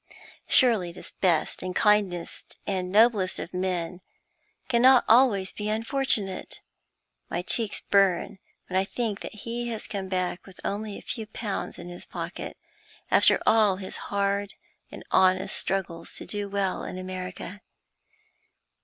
Surely this best, and kindest, and noblest of men cannot always be unfortunate! My cheeks burn when I think that he has come back with only a few pounds in his pocket, after all his hard and honest struggles to do well in America.